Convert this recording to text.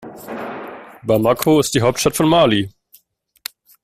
Bamako ist die Hauptstadt von Mali.